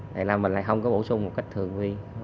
thành ra mình lại không có bổ sung một cách thường viên